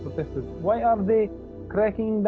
protes tanpa perang